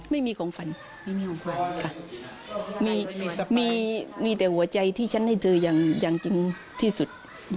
ไม่มีคงฝันค่ะมีมีแต่หัวใจที่ฉันให้เธออย่างจริงที่สุด